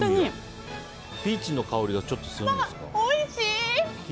ピーチの香りがちょっとするんですか。